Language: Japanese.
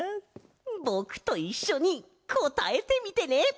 ぼくといっしょにこたえてみてね！